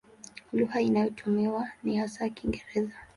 Lugha inayotumiwa ni hasa Kiingereza.